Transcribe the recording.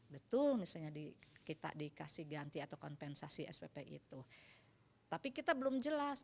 betul misalnya di kita dikasih ganti atau kompensasi spp itu tapi kita belum jelas